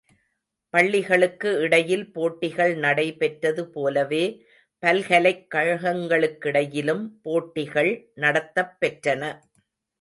பள்ளிகளுக்கு இடையில் போட்டிகள் நடைபெற்றது போலவே, பல்கலைக் கழகங்களுக்கிடையிலும் போட்டிகள் நடத்தப்பெற்றன.